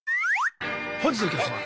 本日のゲストは。